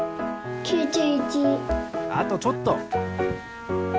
あとちょっと。